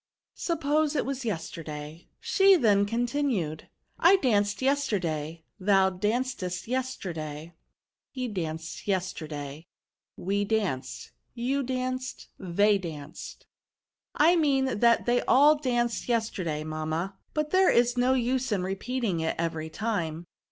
" Suppose it was yesterday:" she then continued, " I danced yesterday, thou dancedst yesterday, he danced yesterday we danced, you danced, they danced. I mean that they all danced yesterday, mam ma ; but there is no use in repeating it every time.